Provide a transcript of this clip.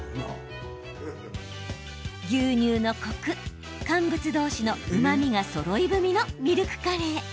牛乳のコク、乾物同士のうまみがそろい踏みのミルクカレー。